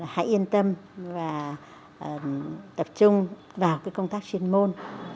hãy yên tâm và tập trung vào công tác chuyên môn